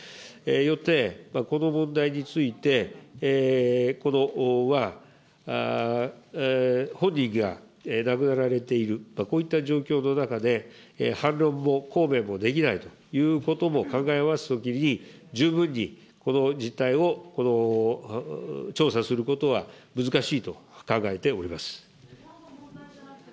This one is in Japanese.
よってこの問題について、本人が亡くなられている、こういった状況の中で、反論も抗弁もできないということも考えますときに、十分にこの実態を調査することは難しいと考えております。